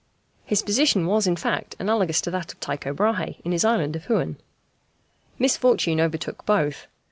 His position was in fact analogous to that of Tycho Brahé in his island of Huen. Misfortune overtook both.